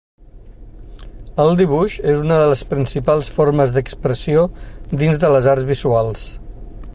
El dibuix és una de les principals formes d'expressió dins de les arts visuals.